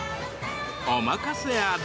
お任せあれ！